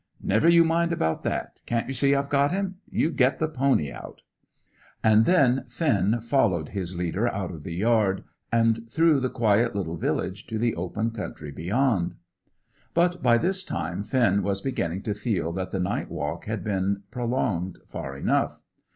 "Never you mind about that. Can't yer see I've got him? You get the pony out." And then Finn followed his leader out of the yard, and through the quiet little village to the open country beyond. But by this time Finn was beginning to feel that the night walk had been prolonged far enough.